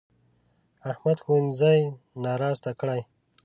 احمد ښوونځی ناراسته کړی.